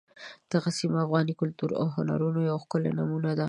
دغه سیمه د افغاني کلتور او هنرونو یوه ښکلې نمونه ده.